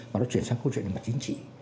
mà nó chuyển sang câu chuyện mặt chính trị